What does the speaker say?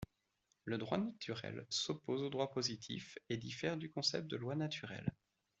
Le droit naturel s'oppose au droit positif, et diffère du concept de loi naturelle.